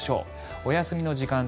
お休みの時間帯